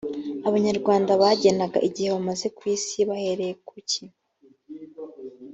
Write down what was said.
abanyarwanda bagenaga igihe bamaze ku isi bahereye ku ki